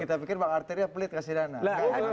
kita pikir bang arteria pelit kasih dana